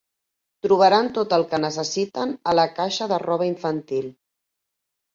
Trobaran tot el que necessiten a la caixa de roba infantil.